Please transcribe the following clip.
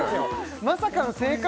まさかの正解？